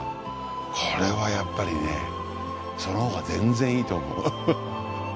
これはやっぱりねそのほうが全然いいと思う。